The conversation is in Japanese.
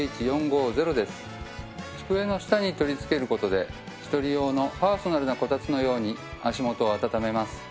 机の下に取りつける事で１人用のパーソナルなこたつのように足元を温めます。